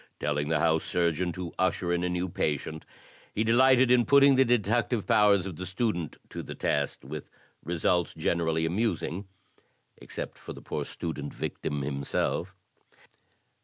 Telling the House Surgeon to usher in a new patient, he delighted in putting the deductive powers of the student to the test, with results generally amusing, except to the poor student victim himself."